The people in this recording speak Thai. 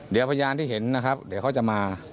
เดี๋ยวต้องรอเข้ามาครับเดี๋ยวเข้ามา